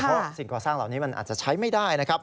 เพราะสิ่งก่อสร้างเหล่านี้มันอาจจะใช้ไม่ได้นะครับ